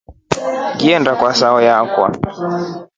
Ngiliinda kwa saayo wakwafo.